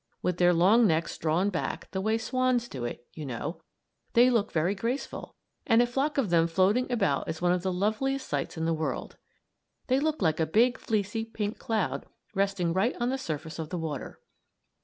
With their long necks drawn back the way swans do it, you know they are very graceful, and a flock of them floating about is one of the loveliest sights in the world. They look like a big, fleecy, pink cloud resting right on the surface of the water.